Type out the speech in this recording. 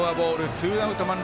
ツーアウト、満塁。